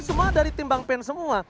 semua dari tim bang pen semua